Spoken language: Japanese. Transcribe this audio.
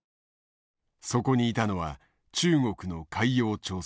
そこにいたのは中国の海洋調査船。